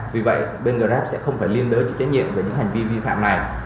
vì vậy bên grab sẽ không phải liên đối trực trách nhiệm với những hành vi vi phạm này